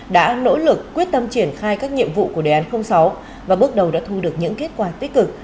đã nỗ lực quyết tâm triển khai các nhiệm vụ của đề án sáu và bước đầu đã thu được những kết quả tích cực